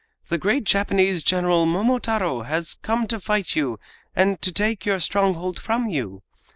The great Japanese general Momotaro has come to fight you and to take your stronghold from you.